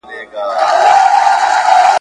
یو د بل په صفتونو به ګویان وه ..